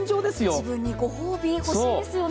自分にご褒美、欲しいですよね。